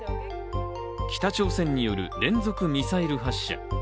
北朝鮮による連続ミサイル発射。